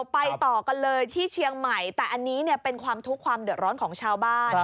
ไปต่อกันเลยที่เชียงใหม่แต่อันนี้เป็นความทุกข์ความเดือดร้อนของชาวบ้าน